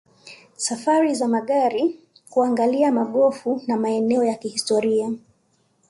Safari za magari kuangalia magofu na maeneo ya kihistoria